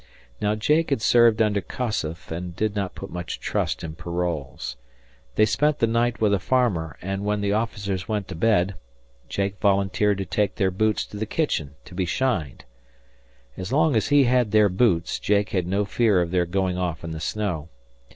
Now Jake had served under Kossuth and did not put much trust in paroles. They spent the night with a farmer and, when the officers went to bed, Jake volunteered to take their boots to the kitchen to be shined. As long as he had their boots, Jake had no fear of their going off in the snow.